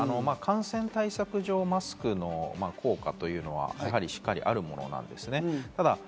感染対策上、マスクの効果というのはやはりしっかりあるものなんですね。